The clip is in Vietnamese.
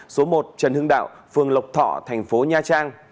số một trần hưng đạo phường lộc thọ thành phố nha trang